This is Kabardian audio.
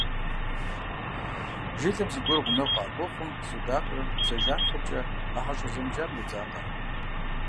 Жылэхэм зыгуэрхэр гъунэгъу къыхуэхъум, судакъыр дзэ жанхэмкӀэ а хьэщӀэ зэмыджам йодзакъэ.